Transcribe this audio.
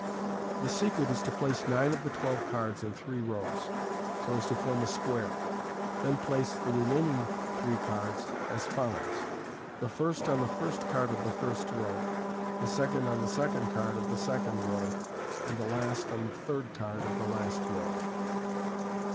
The secret is to place nine of the twelve cards in three rows, so as to form a square } then place the remaining three cards as follows : the first on the first card of the first row, the second on the second card of the second row, and the last on the third card of the last row.